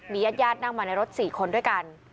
ญาตินั่งมาในรถ๔คนด้วยกัน